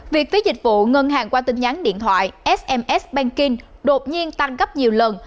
việc phí dịch vụ ngân hàng qua tin nhắn điện thoại sms banking đột nhiên tăng gấp nhiều lần